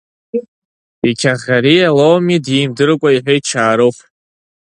Иқьаӷьариа лоуми, димдыркәа, — иҳәеит Чаарыхә.